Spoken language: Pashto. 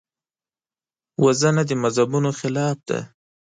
وژنه د مذهبونو خلاف ده